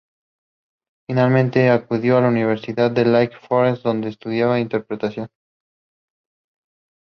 Finalmente, acudió a la Universidad de Lake Forest, donde estudiaría interpretación.